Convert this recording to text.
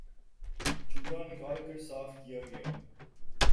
چولہا نکال کر صاف کیا گیا